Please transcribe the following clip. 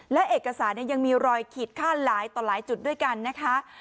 และเอกสารยังมีรอยขีดค่าหลายต่อหลายจุดด้วยกันนะคะ